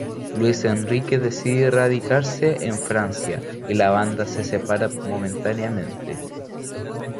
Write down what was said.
Luis Enríquez decide radicarse en Francia y la banda se separa momentáneamente.